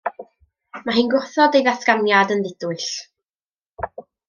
Mae hi'n gwrthod ei ddatganiad yn ddidwyll.